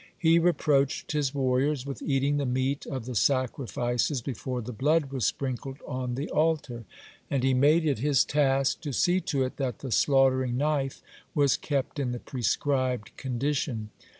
He reproached his warriors with eating the meat of the sacrifices before the blood was sprinkled on the altar, (58) and he made it his task to see to it that the slaughtering knife was kept in the prescribed condition.